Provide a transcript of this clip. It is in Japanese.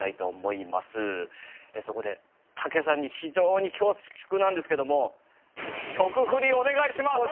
そこで武さんに非常に恐縮なんですけどもお願いします！